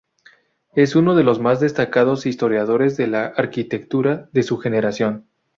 Es uno de los más destacados historiadores de la arquitectura de su generación.